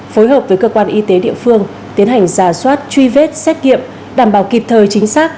phối hợp với cơ quan y tế địa phương tiến hành giả soát truy vết xét nghiệm đảm bảo kịp thời chính xác